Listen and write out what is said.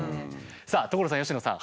さあ所さん佳乃さん。